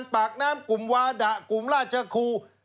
ปากน้ำกลุ่มวาดะกลุ่มราชครู